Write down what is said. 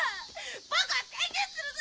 僕は宣言するぞ！